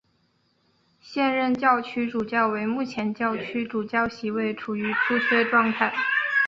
现任教区主教为目前教区主教席位处于出缺状态。